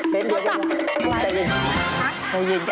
เล่นเดี๋ยวอะไร